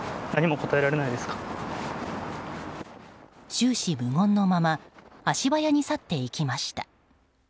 終始無言のまま足早に去っていきました。